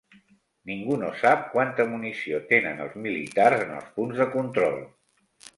Ningú no sap quanta munició tenen els militars en els punts de control.